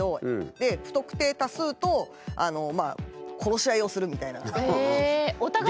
で不特定多数と殺し合いをするみたいな。へお互いを？